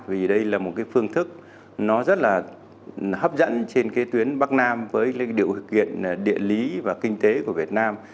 vì đây là một phương thức rất là hấp dẫn trên tuyến bắc nam với điều kiện địa lý và kinh tế của việt nam